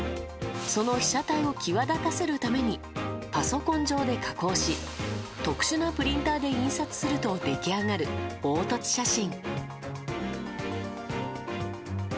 その被写体を際立たせるためにパソコン上で加工し特殊なプリンターで印刷すると出来上がる凹凸写真。